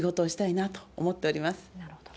なるほど。